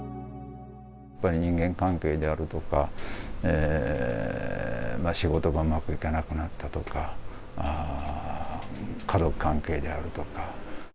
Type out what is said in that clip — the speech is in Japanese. やっぱり人間関係であるとか、仕事がうまくいかなくなったとか、家族関係であるとか。